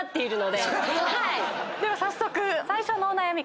では早速最初のお悩み